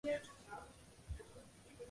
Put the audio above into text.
背部淡灰色。